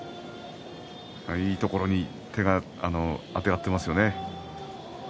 いいところに手をあてがっていますね。